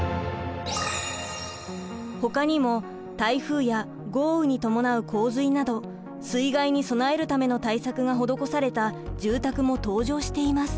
ほかにも台風や豪雨に伴う洪水など水害に備えるための対策が施された住宅も登場しています。